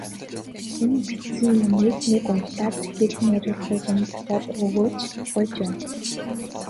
Энэ бичсэн юмыг нэг уншаад хэл найруулгыг нь засаад өгөөч, гуйж байна.